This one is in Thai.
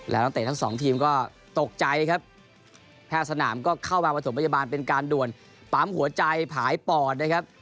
แล้วนักเตะทั้งสองทีมก็ตกใจครับแพทย์สนามก็เข้ามาประถมพยาบาลเป็นการด่วนปั๊มหัวใจผายปอดนะครับ